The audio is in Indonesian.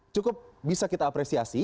cukup bisa kita apresiasi